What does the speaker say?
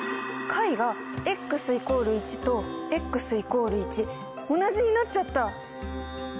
解が＝１と同じになっちゃった！